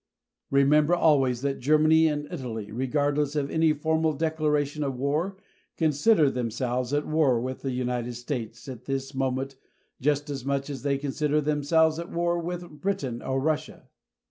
Remember always that Germany and Italy, regardless of any formal declaration of war, consider themselves at war with the United States at this moment just as much as they consider themselves at war with Britain or Russia.